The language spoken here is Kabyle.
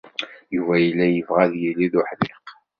Yuba yella yebɣa ad yili d uḥdiq.